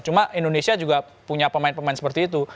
cuma indonesia juga punya pemain pemain seperti itu